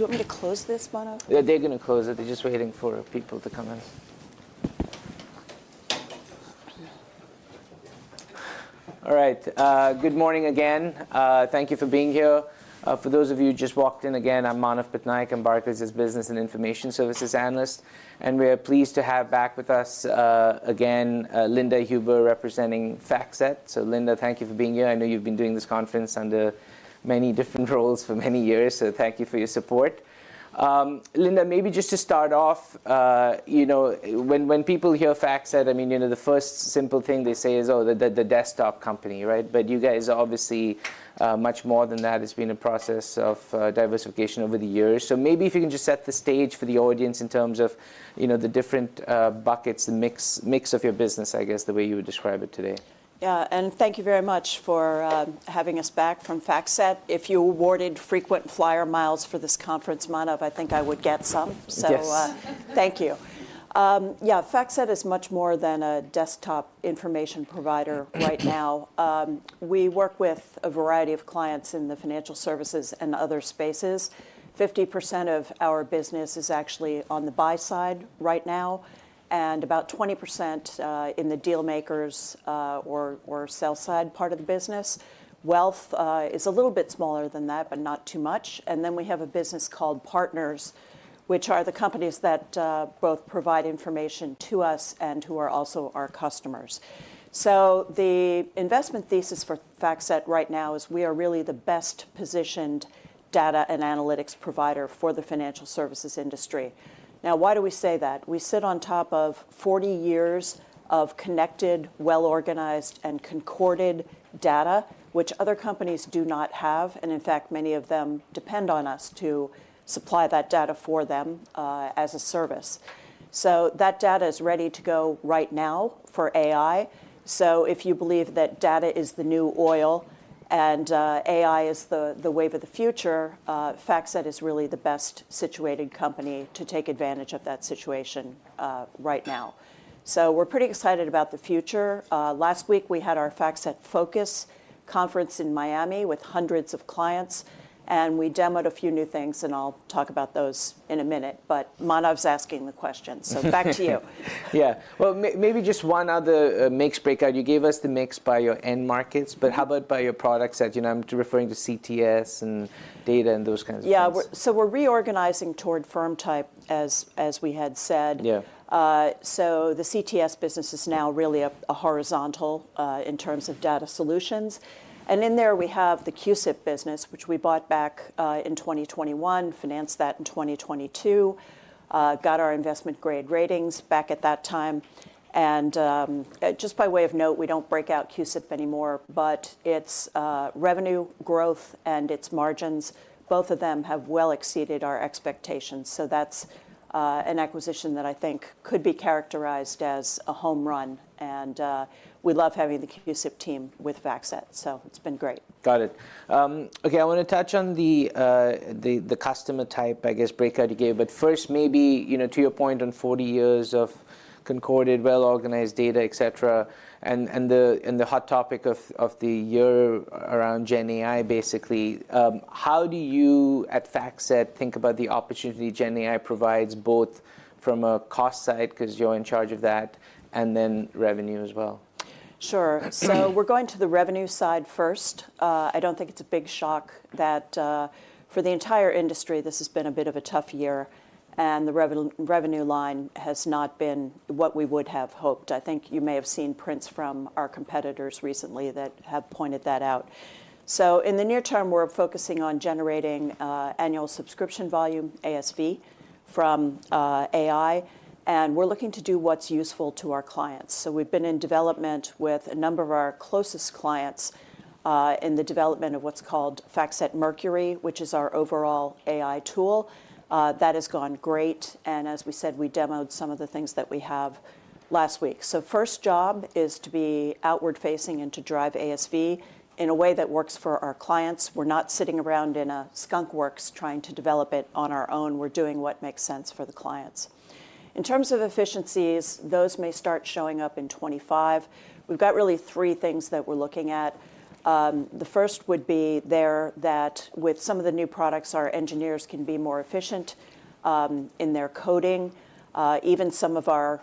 Do you want me to close this, Manav? Yeah, they're gonna close it. They're just waiting for people to come in. All right, good morning again, thank you for being here. For those of you who just walked in, again, I'm Manav Patnaik. I'm Barclays' Business and Information Services analyst, and we are pleased to have back with us, again, Linda Huber, representing FactSet. So Linda, thank you for being here. I know you've been doing this conference under many different roles for many years, so thank you for your support. Linda, maybe just to start off, you know, when, when people hear FactSet, I mean, you know, the first simple thing they say is, "Oh, the, the, the desktop company," right? But you guys are obviously, much more than that. It's been a process of, diversification over the years. Maybe if you can just set the stage for the audience in terms of, you know, the different buckets, the mix of your business, I guess, the way you would describe it today. Yeah, and thank you very much for having us back from FactSet. If you awarded frequent flyer miles for this conference, Manav, I think I would get some. Yes. So, thank you. Yeah, FactSet is much more than a desktop information provider right now. We work with a variety of clients in the financial services and other spaces. 50% of our business is actually on the buy side right now, and about 20%, in the deal makers' or sell side part of the business. Wealth is a little bit smaller than that, but not too much, and then we have a business called Partners, which are the companies that both provide information to us and who are also our customers. So the investment thesis for FactSet right now is, we are really the best-positioned data and analytics provider for the financial services industry. Now, why do we say that? We sit on top of 40 years of connected, well-organized, and concorded data, which other companies do not have, and in fact, many of them depend on us to supply that data for them as a service. So that data is ready to go right now for AI. So if you believe that data is the new oil and AI is the wave of the future, FactSet is really the best-situated company to take advantage of that situation right now. So we're pretty excited about the future. Last week we had our FactSet Focus conference in Miami with hundreds of clients, and we demoed a few new things, and I'll talk about those in a minute. But Manav's asking the questions, so back to you. Yeah. Well, maybe just one other, mix breakout. You gave us the mix by your end markets- Mm-hmm... but how about by your products? You know, I'm referring to CTS and data and those kinds of things. Yeah, so we're reorganizing toward firm type, as we had said. Yeah. So the CTS business is now really a horizontal in terms of data solutions. And in there we have the CUSIP business, which we bought back in 2021, financed that in 2022, got our investment-grade ratings back at that time. And just by way of note, we don't break out CUSIP anymore, but its revenue growth and its margins, both of them have well exceeded our expectations. So that's an acquisition that I think could be characterized as a home run, and we love having the CUSIP team with FactSet, so it's been great. Got it. Okay, I want to touch on the customer type, I guess, breakout you gave. But first maybe, you know, to your point on 40 years of concorded, well-organized data, et cetera, and the hot topic of the year around GenAI, basically, how do you at FactSet think about the opportunity GenAI provides, both from a cost side, 'cause you're in charge of that, and then revenue as well? Sure. So we're going to the revenue side first. I don't think it's a big shock that, for the entire industry, this has been a bit of a tough year, and the revenue line has not been what we would have hoped. I think you may have seen prints from our competitors recently that have pointed that out. So in the near term, we're focusing on generating annual subscription volume, ASV, from AI, and we're looking to do what's useful to our clients. So we've been in development with a number of our closest clients in the development of what's called FactSet Mercury, which is our overall AI tool. That has gone great, and as we said, we demoed some of the things that we have last week. So first job is to be outward-facing and to drive ASV in a way that works for our clients. We're not sitting around in a Skunk Works, trying to develop it on our own. We're doing what makes sense for the clients. In terms of efficiencies, those may start showing up in 2025. We've got really three things that we're looking at. The first would be with some of the new products, our engineers can be more efficient in their coding. Even some of our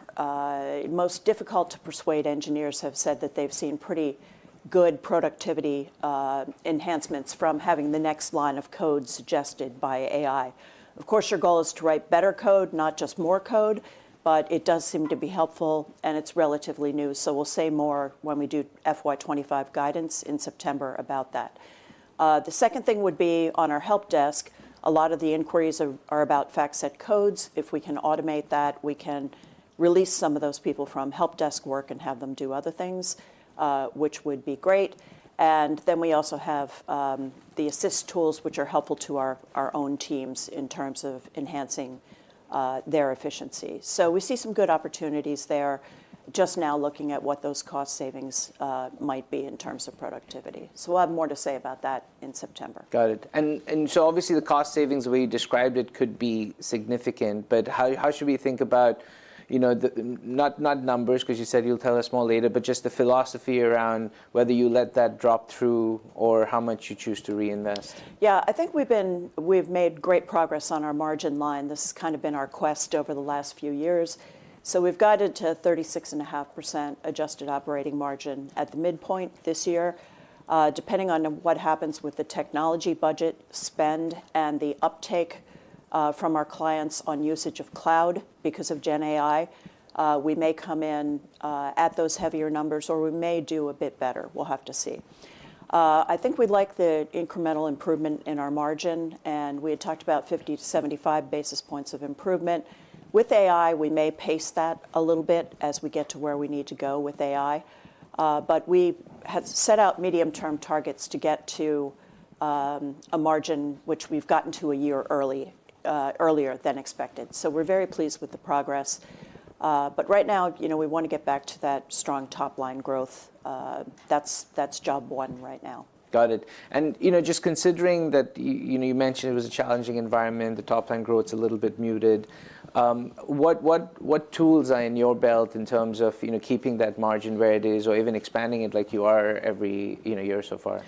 most difficult-to-persuade engineers have said that they've seen pretty good productivity enhancements from having the next line of code suggested by AI. Of course, your goal is to write better code, not just more code, but it does seem to be helpful, and it's relatively new. So we'll say more when we do FY 25 guidance in September about that. The second thing would be on our help desk, a lot of the inquiries are about FactSet codes. If we can automate that, we can release some of those people from help desk work and have them do other things, which would be great. And then we also have the assist tools, which are helpful to our own teams in terms of enhancing their efficiency. So we see some good opportunities there, just now looking at what those cost savings might be in terms of productivity. So we'll have more to say about that in September. Got it. And so obviously, the cost savings, the way you described it, could be significant, but how should we think about, you know, the... not numbers, 'cause you said you'll tell us more later, but just the philosophy around whether you let that drop through... or how much you choose to reinvest? Yeah, I think we've made great progress on our margin line. This has kind of been our quest over the last few years. So we've guided to 36.5% adjusted operating margin at the midpoint this year. Depending on what happens with the technology budget spend and the uptake from our clients on usage of cloud because of Gen AI, we may come in at those heavier numbers, or we may do a bit better. We'll have to see. I think we'd like the incremental improvement in our margin, and we had talked about 50 to 75 basis points of improvement. With AI, we may pace that a little bit as we get to where we need to go with AI. We have set out medium-term targets to get to a margin which we've gotten to a year early, earlier than expected, so we're very pleased with the progress. Right now, you know, we want to get back to that strong top-line growth. That's job one right now. Got it. And, you know, just considering that you know, you mentioned it was a challenging environment, the top-line growth's a little bit muted, what tools are in your belt in terms of, you know, keeping that margin where it is or even expanding it like you are every, you know, year so far?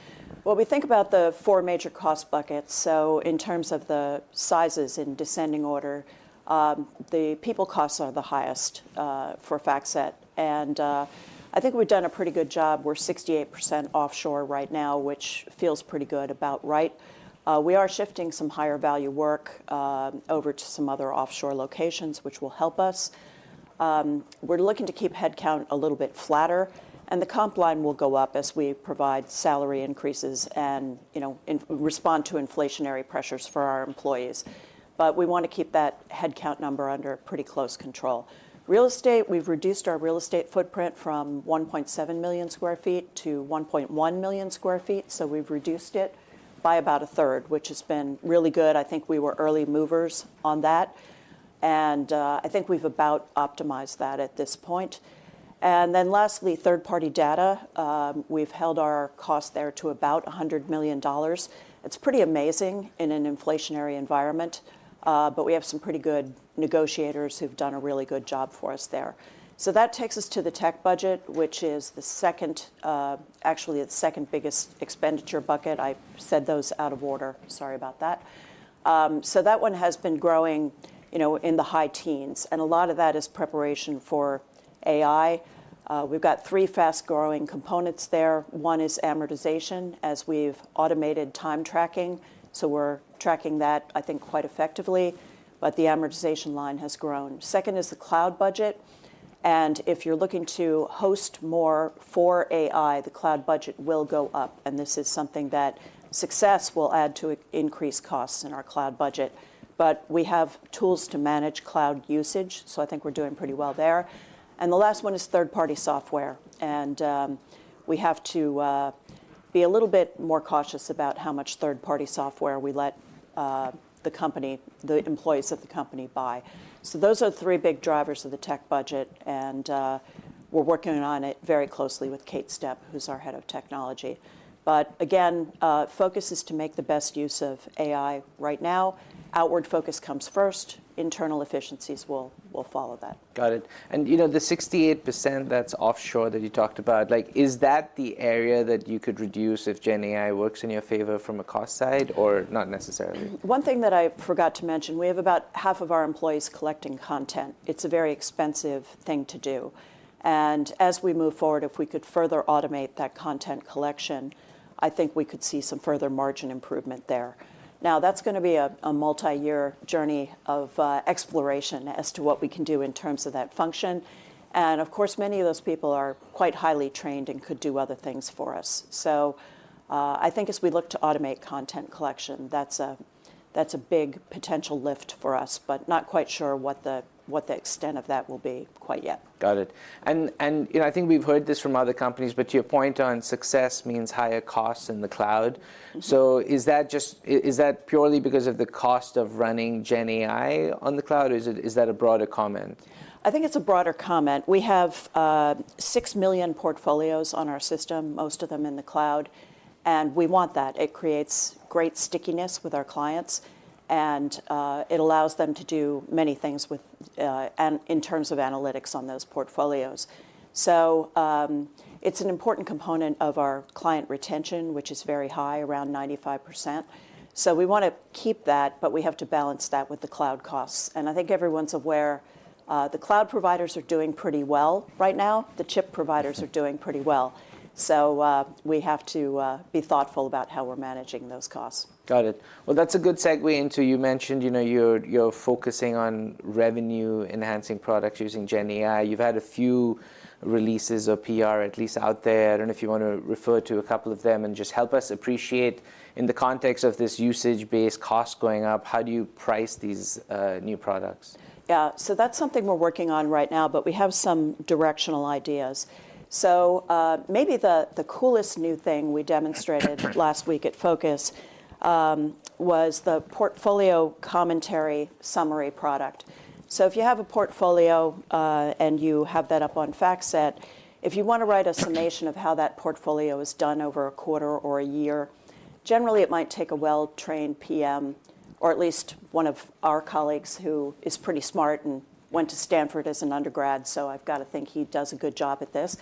Well, we think about the four major cost buckets, so in terms of the sizes in descending order, the people costs are the highest, for FactSet, and I think we've done a pretty good job. We're 68% offshore right now, which feels pretty good, about right. We are shifting some higher-value work over to some other offshore locations, which will help us. We're looking to keep headcount a little bit flatter, and the comp line will go up as we provide salary increases and, you know, in response to inflationary pressures for our employees. But we want to keep that headcount number under pretty close control. Real estate, we've reduced our real estate footprint from 1.7 million sq ft to 1.1 million sq ft, so we've reduced it by about a third, which has been really good. I think we were early movers on that, and I think we've about optimized that at this point. And then lastly, third-party data. We've held our costs there to about $100,000,000. It's pretty amazing in an inflationary environment, but we have some pretty good negotiators who've done a really good job for us there. So that takes us to the tech budget, which is the second, actually, it's the second-biggest expenditure bucket. I said those out of order. Sorry about that. So that one has been growing, you know, in the high teens, and a lot of that is preparation for AI. We've got three fast-growing components there. One is amortization, as we've automated time tracking, so we're tracking that, I think, quite effectively, but the amortization line has grown. Second is the cloud budget, and if you're looking to host more for AI, the cloud budget will go up, and this is something that success will add to increased costs in our cloud budget. But we have tools to manage cloud usage, so I think we're doing pretty well there. And the last one is third-party software, and we have to be a little bit more cautious about how much third-party software we let the company, the employees of the company buy. So those are the three big drivers of the tech budget, and we're working on it very closely with Kate Stepp, who's our head of technology. But again, focus is to make the best use of AI right now. Outward focus comes first. Internal efficiencies will follow that. Got it. And, you know, the 68% that's offshore that you talked about, like, is that the area that you could reduce if GenAI works in your favor from a cost side, or not necessarily? One thing that I forgot to mention, we have about half of our employees collecting content. It's a very expensive thing to do. As we move forward, if we could further automate that content collection, I think we could see some further margin improvement there. Now, that's gonna be a multiyear journey of exploration as to what we can do in terms of that function, and of course, many of those people are quite highly trained and could do other things for us. So, I think as we look to automate content collection, that's a big potential lift for us, but not quite sure what the extent of that will be quite yet. Got it. And you know, I think we've heard this from other companies, but your point on success means higher costs in the cloud. Mm-hmm. So is that just... is that purely because of the cost of running GenAI on the cloud, or is it a broader comment? I think it's a broader comment. We have six million portfolios on our system, most of them in the cloud, and we want that. It creates great stickiness with our clients, and it allows them to do many things with in terms of analytics on those portfolios. So, it's an important component of our client retention, which is very high, around 95%. So we want to keep that, but we have to balance that with the cloud costs, and I think everyone's aware the cloud providers are doing pretty well right now. The chip providers are doing pretty well. So, we have to be thoughtful about how we're managing those costs. Got it. Well, that's a good segue into, you mentioned, you know, you're focusing on revenue-enhancing products using Gen AI. You've had a few releases or PR at least out there. I don't know if you want to refer to a couple of them and just help us appreciate, in the context of this usage-based cost going up, how do you price these new products? Yeah. So that's something we're working on right now, but we have some directional ideas. So, maybe the coolest new thing we demonstrated last week at Focus was the Portfolio Commentary Summary product. So if you have a portfolio, and you have that up on FactSet, if you want to write a summation of how that portfolio has done over a quarter or a year, generally, it might take a well-trained PM, or at least one of our colleagues, who is pretty smart and went to Stanford as an undergrad, so I've got to think he does a good job at this,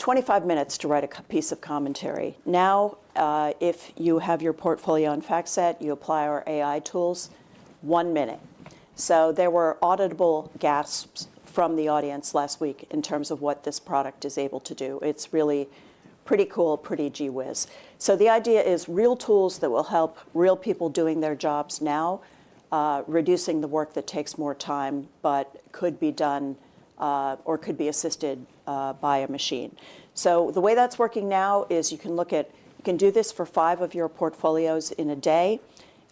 25 minutes to write a piece of commentary. Now, if you have your portfolio on FactSet, you apply our AI tools, one minute. So there were audible gasps from the audience last week in terms of what this product is able to do. It's really pretty cool, pretty gee whiz. So the idea is real tools that will help real people doing their jobs now, reducing the work that takes more time, but could be done, or could be assisted, by a machine. So the way that's working now is you can do this for five of your portfolios in a day.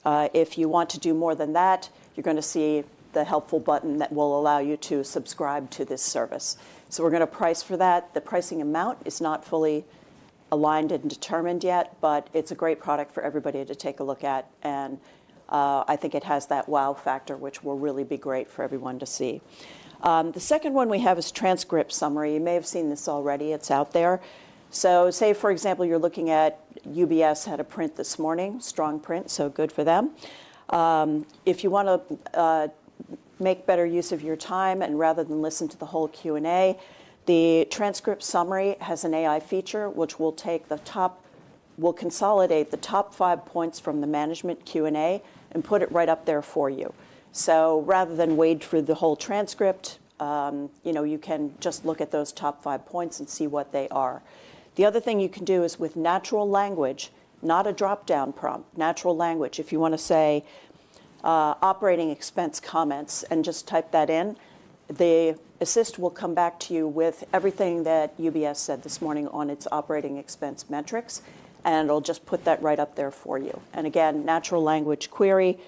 If you want to do more than that, you're gonna see the helpful button that will allow you to subscribe to this service. So we're gonna price for that. The pricing amount is not fully aligned and determined yet, but it's a great product for everybody to take a look at, and I think it has that wow factor, which will really be great for everyone to see. The second one we have is Transcript Summary. You may have seen this already. It's out there. So say, for example, you're looking at UBS had a print this morning, strong print, so good for them. If you want to make better use of your time and rather than listen to the whole Q&A, the Transcript Summary has an AI feature, which will consolidate the top five points from the management Q&A and put it right up there for you. So rather than wade through the whole transcript, you know, you can just look at those top five points and see what they are. The other thing you can do is with natural language, not a drop-down prompt, natural language. If you want to say, "operating expense comments" and just type that in, the assist will come back to you with everything that UBS said this morning on its operating expense metrics, and it'll just put that right up there for you. And again, natural language query,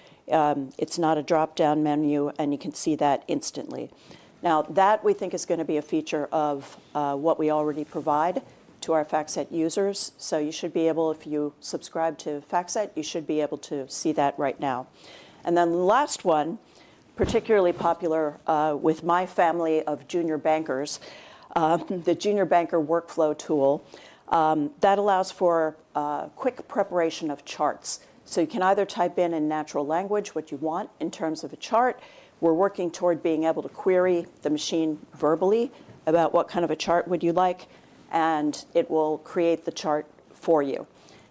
it's not a drop-down menu, and you can see that instantly. Now, that we think is gonna be a feature of, what we already provide to our FactSet users. So you should be able-- if you subscribe to FactSet, you should be able to see that right now. Then the last one, particularly popular with my family of junior bankers, the Junior Banker Workflow Tool. That allows for quick preparation of charts. So you can either type in natural language what you want in terms of a chart. We're working toward being able to query the machine verbally about what kind of a chart would you like, and it will create the chart for you.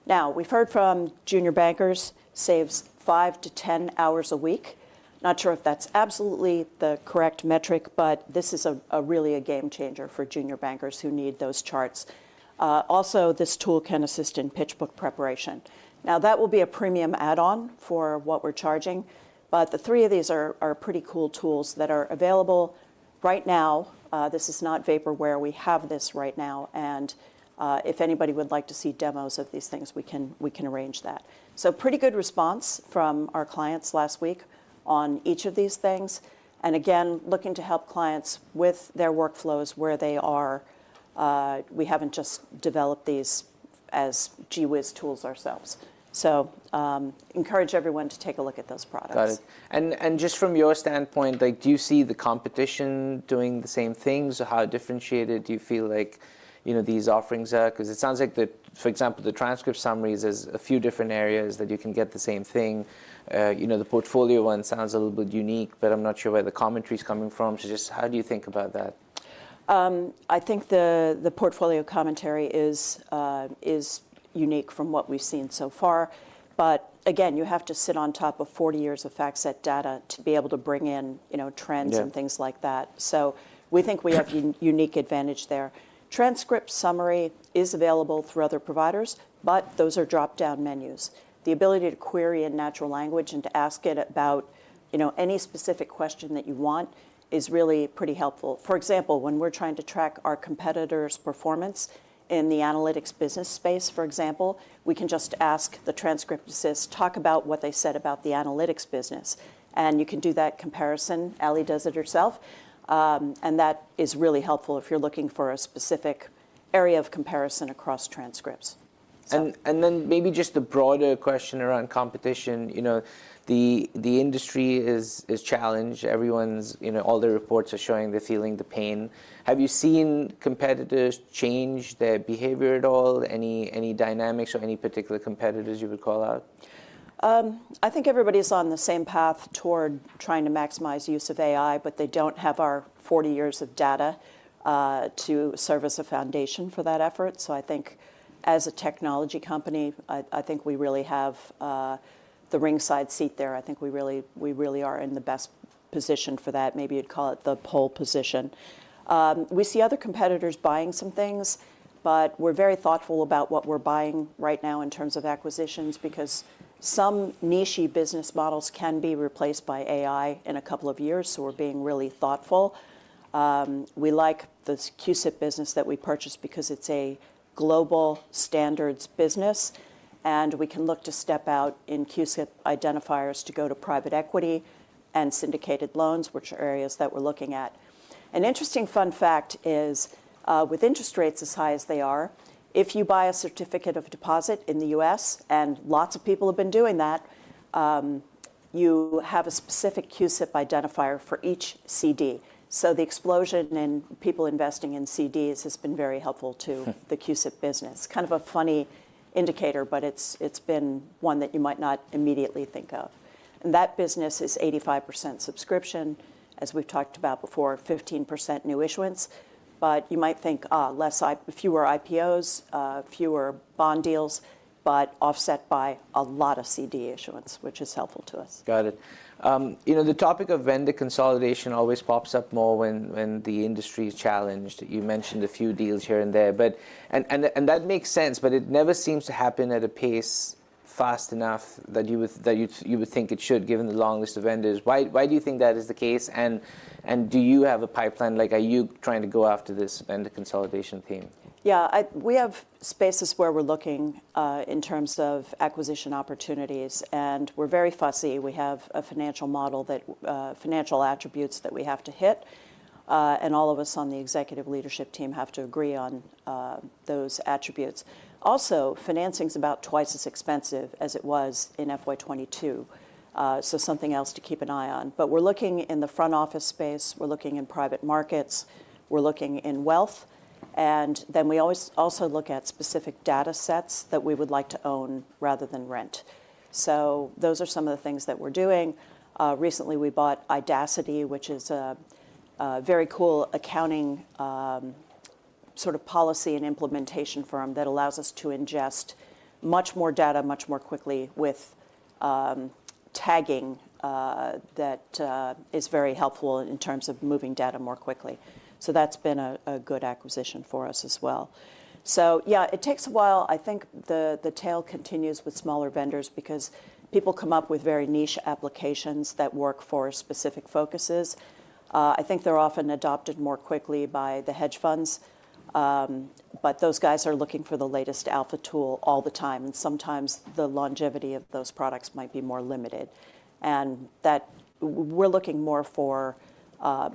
Now, we've heard from junior bankers, saves five to 10 hours a week. Not sure if that's absolutely the correct metric, but this is a really game changer for junior bankers who need those charts. Also, this tool can assist in pitch book preparation. Now, that will be a premium add-on for what we're charging, but the three of these are pretty cool tools that are available right now. This is not vaporware. We have this right now, and if anybody would like to see demos of these things, we can, we can arrange that. So pretty good response from our clients last week on each of these things, and again, looking to help clients with their workflows where they are. We haven't just developed these as gee whiz tools ourselves. So, encourage everyone to take a look at those products. Got it. And just from your standpoint, like, do you see the competition doing the same things? How differentiated do you feel like, you know, these offerings are? 'Cause it sounds like the... for example, the transcript summaries, there's a few different areas that you can get the same thing. You know, the portfolio one sounds a little bit unique, but I'm not sure where the commentary is coming from. So just how do you think about that? I think the portfolio commentary is unique from what we've seen so far. But again, you have to sit on top of 40 years of FactSet data to be able to bring in, you know, trends- Yeah -and things like that. So we think we have a unique advantage there. Transcript Summary is available through other providers, but those are drop-down menus. The ability to query in natural language and to ask it about, you know, any specific question that you want is really pretty helpful. For example, when we're trying to track our competitors' performance in the analytics business space, for example, we can just ask the Transcript Assist, Talk about what they said about the analytics business, and you can do that comparison. Ali does it herself. And that is really helpful if you're looking for a specific area of comparison across transcripts. So- And then maybe just a broader question around competition. You know, the industry is challenged. Everyone's, you know, all the reports are showing they're feeling the pain. Have you seen competitors change their behavior at all? Any dynamics or any particular competitors you would call out? I think everybody is on the same path toward trying to maximize use of AI, but they don't have our 40 years of data to serve as a foundation for that effort. So I think as a technology company, I think we really have the ringside seat there. I think we really, we really are in the best position for that. Maybe you'd call it the pole position. We see other competitors buying some things, but we're very thoughtful about what we're buying right now in terms of acquisitions, because some niche-y business models can be replaced by AI in a couple of years, so we're being really thoughtful. We like this CUSIP business that we purchased because it's a global standards business, and we can look to step out in CUSIP identifiers to go to private equity and syndicated loans, which are areas that we're looking at. An interesting fun fact is, with interest rates as high as they are, if you buy a certificate of deposit in the US, and lots of people have been doing that, you have a specific CUSIP identifier for each CD. So the explosion in people investing in CDs has been very helpful to the CUSIP business. Kind of a funny indicator, but it's, it's been one that you might not immediately think of, and that business is 85% subscription, as we've talked about before, 15% new issuance. But you might think, fewer IPOs, fewer bond deals, but offset by a lot of CD issuance, which is helpful to us. Got it. You know, the topic of vendor consolidation always pops up more when the industry is challenged. You mentioned a few deals here and there, but that makes sense, but it never seems to happen at a pace fast enough that you would think it should, given the long list of vendors. Why do you think that is the case? And do you have a pipeline? Like, are you trying to go after this vendor consolidation theme? Yeah, we have spaces where we're looking in terms of acquisition opportunities, and we're very fussy. We have a financial model that financial attributes that we have to hit, and all of us on the executive leadership team have to agree on those attributes. Also, financing's about twice as expensive as it was in FY 2022, so something else to keep an eye on. But we're looking in the front office space, we're looking in private markets, we're looking in wealth, and then we always also look at specific data sets that we would like to own rather than rent. So those are some of the things that we're doing. Recently, we bought Idaciti, which is a very cool accounting sort of policy and implementation firm that allows us to ingest much more data much more quickly with tagging that is very helpful in terms of moving data more quickly. So that's been a good acquisition for us as well. So yeah, it takes a while. I think the tail continues with smaller vendors because people come up with very niche applications that work for specific focuses. I think they're often adopted more quickly by the hedge funds, but those guys are looking for the latest alpha tool all the time, and sometimes the longevity of those products might be more limited. And that we're looking more for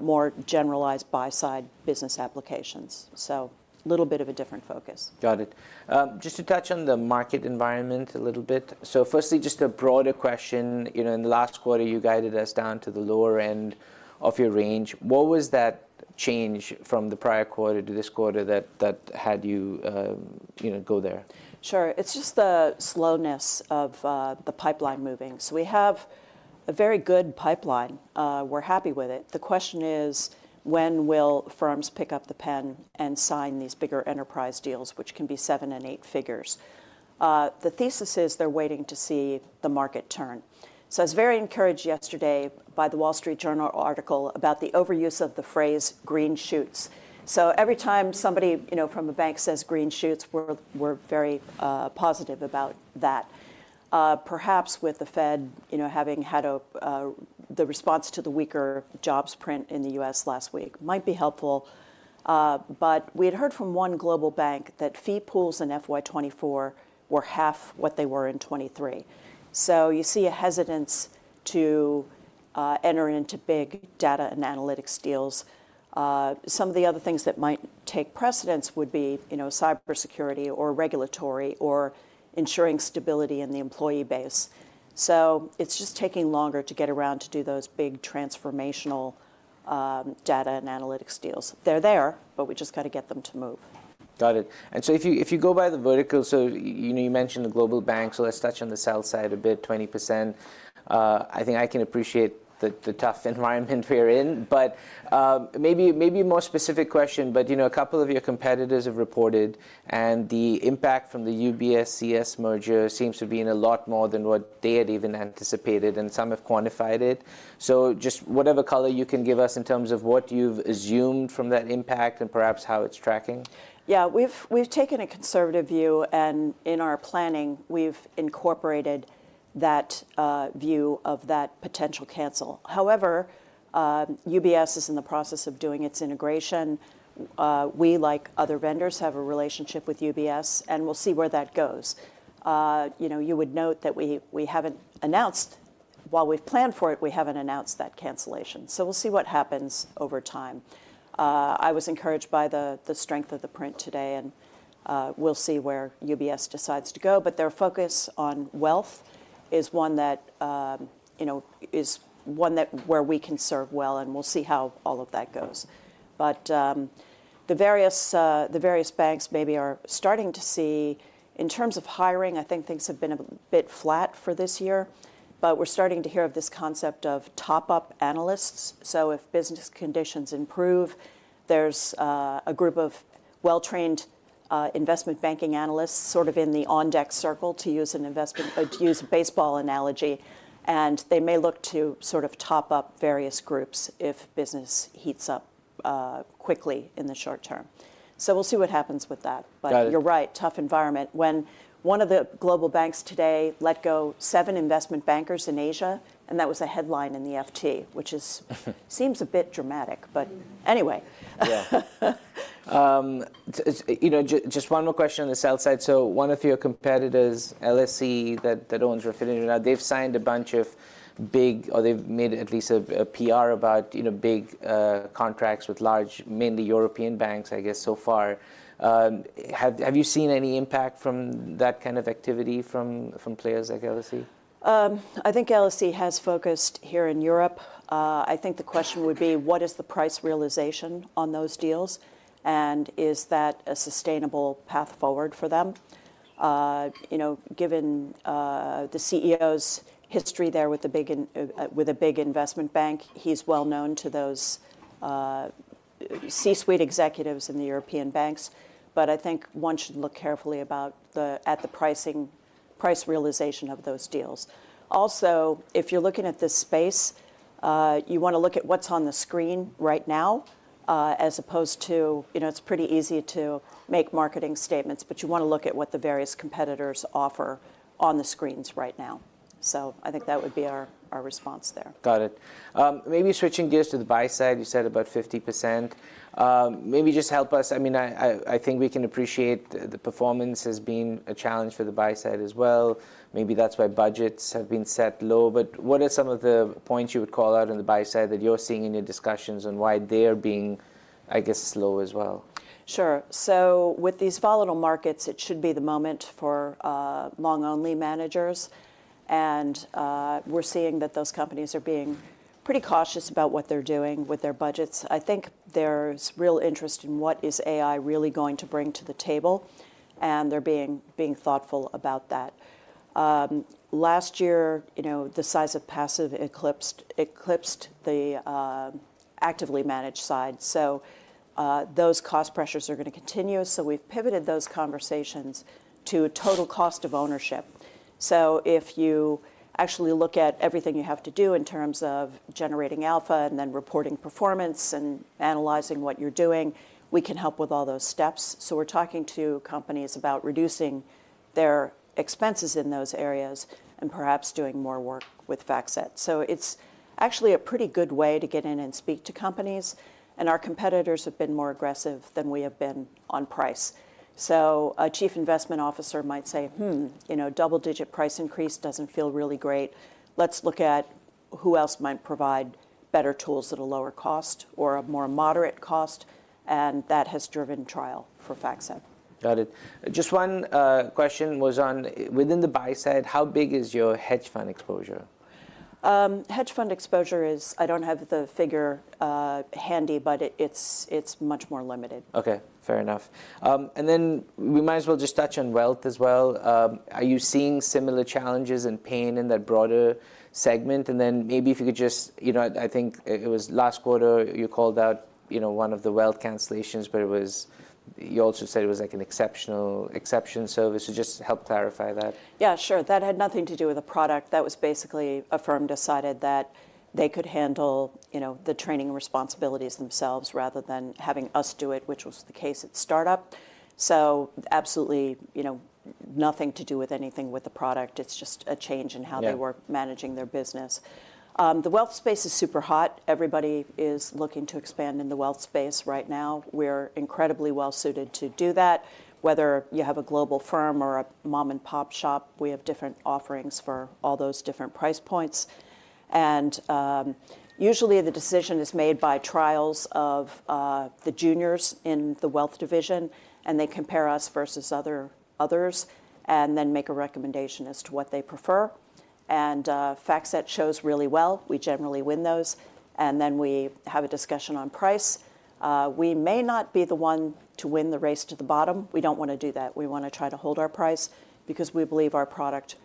more generalized buy-side business applications. So a little bit of a different focus. Got it. Just to touch on the market environment a little bit. So firstly, just a broader question. You know, in the last quarter, you guided us down to the lower end of your range. What was that change from the prior quarter to this quarter that had you, you know, go there? Sure. It's just the slowness of the pipeline moving. So we have a very good pipeline. We're happy with it. The question is: when will firms pick up the pen and sign these bigger enterprise deals, which can be seven and eight figure. The thesis is they're waiting to see the market turn. So I was very encouraged yesterday by the Wall Street Journal article about the overuse of the phrase green shoots. So every time somebody, you know, from a bank says, green shoots, we're very positive about that. Perhaps with the Fed, you know, having had a the response to the weaker jobs print in the US last week might be helpful. But we had heard from one global bank that fee pools in FY 2024 were half what they were in 2023. So you see a hesitance to enter into big data and analytics deals. Some of the other things that might take precedence would be, you know, cybersecurity or regulatory or ensuring stability in the employee base. So it's just taking longer to get around to do those big transformational data and analytics deals. They're there, but we've just got to get them to move. Got it. And so if you, if you go by the vertical, so, you know, you mentioned the global banks, so let's touch on the sell side a bit, 20%. I think I can appreciate the, the tough environment we're in, but, maybe, maybe a more specific question. But, you know, a couple of your competitors have reported, and the impact from the UBS, CS merger seems to be in a lot more than what they had even anticipated, and some have quantified it. So just whatever color you can give us in terms of what you've assumed from that impact and perhaps how it's tracking. Yeah, we've taken a conservative view, and in our planning, we've incorporated that view of that potential cancel. However, UBS is in the process of doing its integration. We, like other vendors, have a relationship with UBS, and we'll see where that goes. You know, you would note that we haven't announced—while we've planned for it, we haven't announced that cancellation. So we'll see what happens over time. I was encouraged by the strength of the print today, and we'll see where UBS decides to go. But their focus on wealth is one that you know is one that where we can serve well, and we'll see how all of that goes. But the various banks maybe are starting to see... In terms of hiring, I think things have been a bit flat for this year, but we're starting to hear of this concept of top-up analysts. So if business conditions improve, there's a group of well-trained investment banking analysts sort of in the on-deck circle, to use an investment- to use a baseball analogy, and they may look to sort of top up various groups if business heats up quickly in the short term. So we'll see what happens with that. Got it. But you're right, tough environment. When one of the global banks today let go seven investment bankers in Asia, and that was a headline in the FT, which seems a bit dramatic, but anyway. So, you know, just one more question on the sell side. So one of your competitors, LSE, that owns Refinitiv now, they've signed a bunch of big or they've made at least a PR about, you know, big contracts with large, mainly European banks, I guess, so far. Have you seen any impact from that kind of activity from players like LSE? I think LSE has focused here in Europe. I think the question would be: What is the price realization on those deals, and is that a sustainable path forward for them? You know, given the CEO's history there with a big investment bank, he's well known to those C-suite executives in the European banks. But I think one should look carefully at the price realization of those deals. Also, if you're looking at this space, you want to look at what's on the screen right now, as opposed to. You know, it's pretty easy to make marketing statements, but you want to look at what the various competitors offer on the screens right now. So I think that would be our response there. Got it. Maybe switching gears to the buy side, you said about 50%. Maybe just help us, I mean, I think we can appreciate the performance as being a challenge for the buy side as well. Maybe that's why budgets have been set low, but what are some of the points you would call out on the buy Side that you're seeing in your discussions, and why they're being, I guess, slow as well? Sure. So with these volatile markets, it should be the moment for long-only managers, and we're seeing that those companies are being pretty cautious about what they're doing with their budgets. I think there's real interest in what is AI really going to bring to the table, and they're being thoughtful about that. Last year, you know, the size of passive eclipsed the actively managed side, so those cost pressures are going to continue. So we've pivoted those conversations to total cost of ownership. So if you actually look at everything you have to do in terms of generating alpha and then reporting performance and analyzing what you're doing, we can help with all those steps. So we're talking to companies about reducing their expenses in those areas and perhaps doing more work with FactSet. So it's actually a pretty good way to get in and speak to companies, and our competitors have been more aggressive than we have been on price. So a chief investment officer might say, Hmm, you know, double-digit price increase doesn't feel really great. Let's look at who else might provide better tools at a lower cost or a more moderate cost, and that has driven trial for FactSet. Got it. Just one question was on within the buy side, how big is your hedge fund exposure? Hedge fund exposure is. I don't have the figure handy, but it's much more limited. Okay, fair enough. And then we might as well just touch on wealth as well. Are you seeing similar challenges and pain in that broader segment? And then maybe if you could just, you know, I think it was last quarter, you called out, you know, one of the wealth cancellations, but it was. You also said it was, like, an exceptional exception. So if you could just help clarify that. Yeah, sure. That had nothing to do with a product. That was basically a firm decided that they could handle, you know, the training responsibilities themselves rather than having us do it, which was the case at startup. So absolutely, you know, nothing to do with anything with the product. It's just a change in how- Yeah they were managing their business. The wealth space is super hot. Everybody is looking to expand in the wealth space right now. We're incredibly well-suited to do that. Whether you have a global firm or a mom-and-pop shop, we have different offerings for all those different price points. Usually, the decision is made by trials of the juniors in the wealth division, and they compare us versus others, and then make a recommendation as to what they prefer. FactSet shows really well. We generally win those, and then we have a discussion on price. We may not be the one to win the race to the bottom. We don't want to do that. We want to try to hold our price because we believe our product,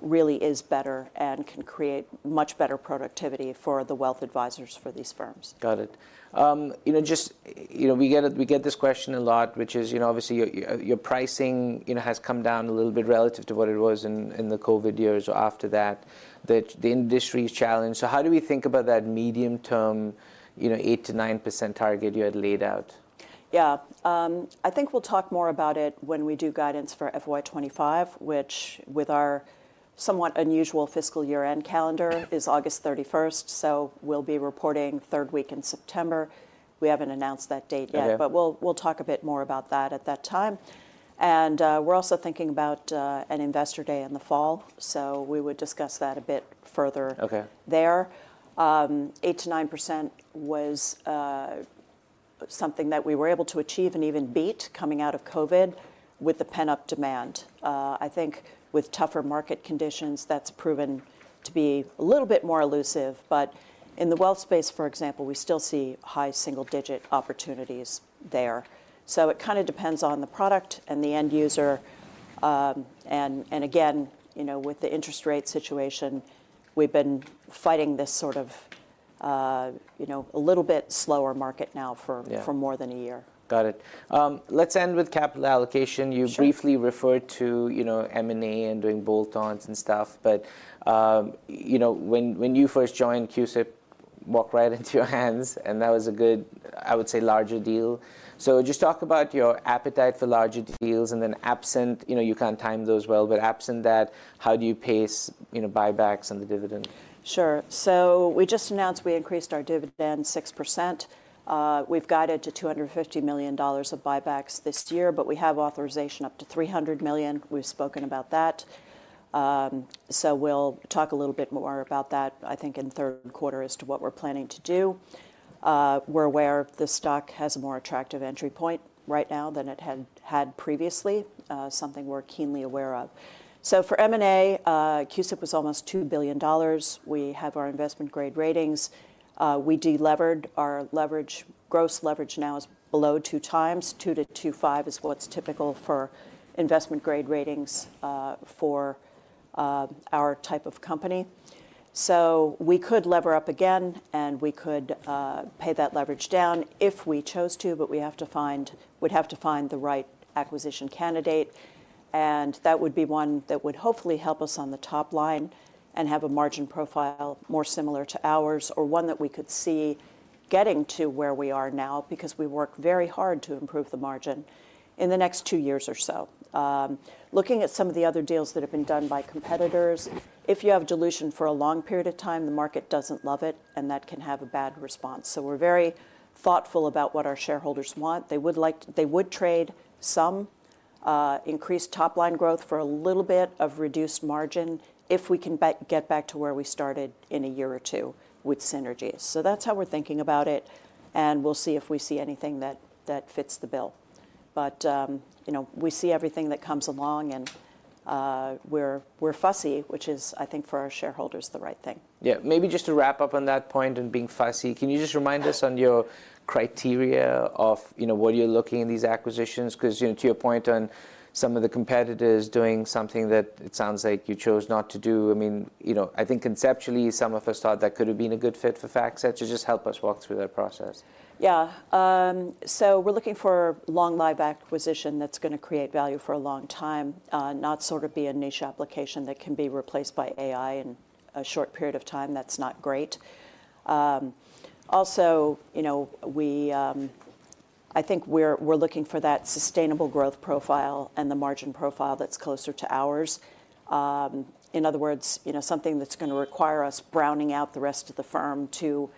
really is better and can create much better productivity for the wealth advisors for these firms. Got it. You know, just, you know, we get, we get this question a lot, which is, you know, obviously your, your pricing, you know, has come down a little bit relative to what it was in, in the COVID years or after that, that the industry's challenged. So how do we think about that medium-term, you know, 8% to 9% target you had laid out? Yeah. I think we'll talk more about it when we do guidance for FY 2025, which, with our somewhat unusual fiscal year-end calendar, is August 31st, so we'll be reporting third week in September. We haven't announced that date yet- Okay but we'll, we'll talk a bit more about that at that time. And, we're also thinking about, an investor day in the fall, so we would discuss that a bit further- Okay there. Eight to nine percent was something that we were able to achieve and even beat coming out of COVID with the pent-up demand. I think with tougher market conditions, that's proven to be a little bit more elusive. But in the wealth space, for example, we still see high single-digit opportunities there. So it kind of depends on the product and the end user. And again, you know, with the interest rate situation, we've been fighting this sort of, you know, a little bit slower market now for- Yeah for more than a year. Got it. Let's end with capital allocation. Sure. You briefly referred to, you know, M&A and doing bolt-ons and stuff, but, you know, when you first joined, CUSIP walked right into your hands, and that was a good, I would say, larger deal. So just talk about your appetite for larger deals, and then absent, you know, you can't time those well, but absent that, how do you pace, you know, buybacks and the dividend? Sure. So we just announced we increased our dividend 6%. We've guided to $250,000,000 of buybacks this year, but we have authorization up to $300,000,000. We've spoken about that. So we'll talk a little bit more about that, I think, in the Q3 as to what we're planning to do. We're aware the stock has a more attractive entry point right now than it had had previously, something we're keenly aware of. So for M&A, CUSIP was almost $2 billion. We have our investment-grade ratings. We de-levered our leverage. Gross leverage now is below 2x. 2x to 5x is what's typical for investment-grade ratings, for our type of company. So we could lever up again, and we could pay that leverage down if we chose to, but we'd have to find the right acquisition candidate, and that would be one that would hopefully help us on the top line and have a margin profile more similar to ours, or one that we could see getting to where we are now, because we work very hard to improve the margin in the next two years or so. Looking at some of the other deals that have been done by competitors, if you have dilution for a long period of time, the market doesn't love it, and that can have a bad response. So we're very thoughtful about what our shareholders want. They would trade some increased top-line growth for a little bit of reduced margin if we can get back to where we started in a year or two with synergies. So that's how we're thinking about it, and we'll see if we see anything that fits the bill. But, you know, we see everything that comes along, and we're fussy, which is, I think, for our shareholders, the right thing. Yeah. Maybe just to wrap up on that point, on being fussy, can you just remind us on your criteria of, you know, what you're looking in these acquisitions? 'Cause, you know, to your point on some of the competitors doing something that it sounds like you chose not to do, I mean, you know, I think conceptually, some of us thought that could have been a good fit for FactSet. Just help us walk through that process. Yeah. So we're looking for long-lived acquisition that's gonna create value for a long time, not sort of be a niche application that can be replaced by AI in a short period of time. That's not great. Also, you know, I think we're looking for that sustainable growth profile and the margin profile that's closer to ours. In other words, you know, something that's gonna require us crowding out the rest of the firm to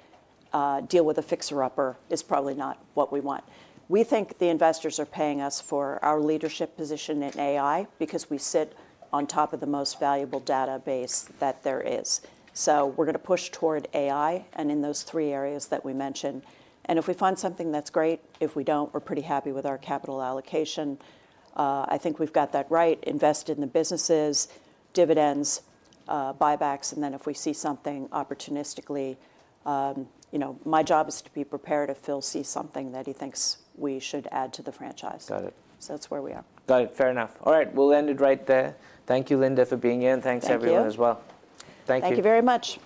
deal with a fixer-upper is probably not what we want. We think the investors are paying us for our leadership position in AI, because we sit on top of the most valuable database that there is. So we're gonna push toward AI and in those three areas that we mentioned, and if we find something, that's great. If we don't, we're pretty happy with our capital allocation. I think we've got that right, invest in the businesses, dividends, buybacks, and then if we see something opportunistically, you know, my job is to be prepared if Phil sees something that he thinks we should add to the franchise. Got it. That's where we are. Got it. Fair enough. All right, we'll end it right there. Thank you, Linda, for being here, and thanks everyone- Thank you as well. Thank you. Thank you very much!